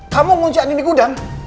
kamu nguci andin di gudang